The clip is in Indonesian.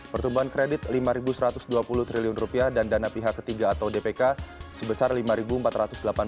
pertumbuhan kredit rp lima satu ratus dua puluh triliun dan dana pihak ketiga atau dpk sebesar rp lima triliun